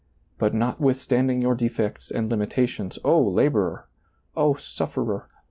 But notwithstanding your defects and limitations, O laborer ! O sufferer